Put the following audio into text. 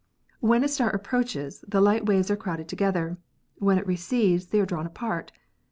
When a star approaches, the light waves are crowded together; when it recedes they are drawn apart.